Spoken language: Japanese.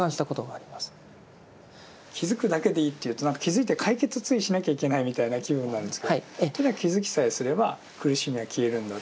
気づくだけでいいというと気づいて解決ついしなきゃいけないみたいな気分になるんですけどただ気づきさえすれば苦しみは消えるんだというところは？